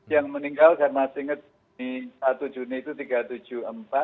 yang meninggal saya masih ingat di satu juni itu tiga ratus tujuh puluh empat